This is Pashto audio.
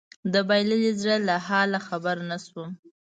د بايللي زړه له حاله خبر نه شوم